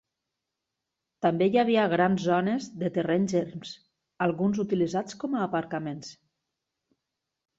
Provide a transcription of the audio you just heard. També hi havia grans zones de terrenys erms, alguns utilitzats com a aparcaments.